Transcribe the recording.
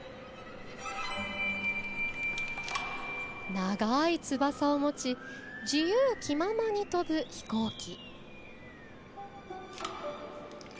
長い翼を持ち自由気ままに飛ぶ飛行機。